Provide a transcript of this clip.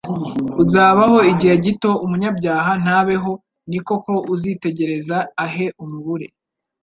«Uzabaho igihe gito umunyabyaha ntabeho; ni koko uzitegereza ahe, umubure.»